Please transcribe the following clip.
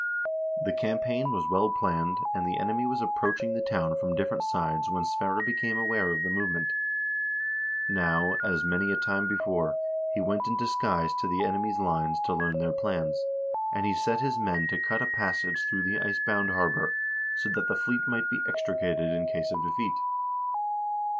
The cam paign was well planned, and the enemy was approaching the town from different sides when Sverre became aware of the movement. Now, as many a time before, he went in disguise to the enemy's lines to learn their plans, and he set his men to cut a passage through the ice bound harbor, so that the fleet might be extricated in case of defeat.